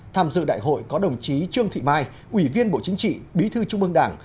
tham dự đại hội có đồng chí trương thị mai ủy viên bộ chính trị bí thư trung ương đảng